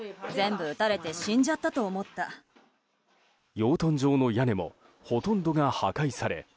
養豚場の屋根もほとんどが破壊され